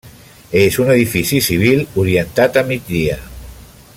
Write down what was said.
És un edifici civil orientat a migdia.